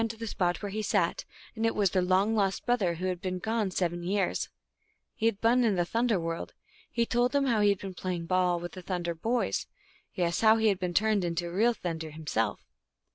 265 to the spot where he sat, and it was their long lost brother, who had been gone seven years. He had been in the Thunder world. He told them how he had been playing ball with the Thunder boys : yes, how he had been turned into a real Thunder him self.